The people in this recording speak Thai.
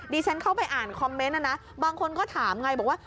ฉันเข้าไปอ่านคอมเมนต์นะนะบางคนก็ถามไงบอกว่า